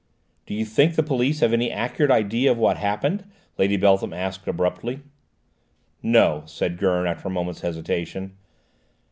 "Do you think the police have any accurate idea of what happened?" Lady Beltham asked abruptly. "No," said Gurn after a moment's hesitation.